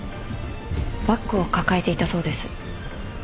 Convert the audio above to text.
バッグを抱えていたそうです。